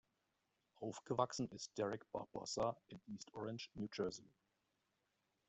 Aufgewachsen ist Derek Barbosa in East Orange, New Jersey.